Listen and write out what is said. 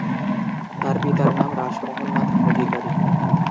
তার পিতার নাম রাশ মোহন নাথ অধিকারী।